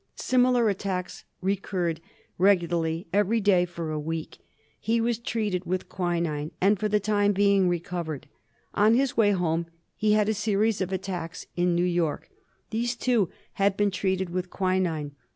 Similar attacks recurred regularly every day for a week. He was treated vsdth quinine and for the time being recovered. On his way home he had a series of attacks in New York ; these, too, had been treated with quinine.